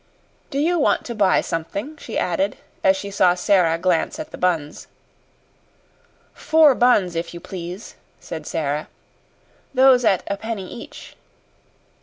"Do you want to buy something?" she added, as she saw Sara glance at the buns. "Four buns, if you please," said Sara. "Those at a penny each."